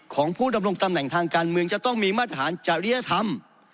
ของผู้ดำรงตำแหน่งทางการเมืองจะต้องมีมาตรฐานจริยธรรม